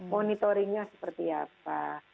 monitoringnya seperti apa